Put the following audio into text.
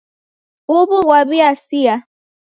Huw'u ghaw'iasia.